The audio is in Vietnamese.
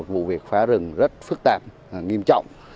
vụ việc phá rừng rất phức tạp nghiêm trọng